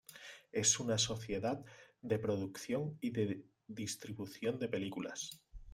Es una sociedad de producción y de distribución de películas.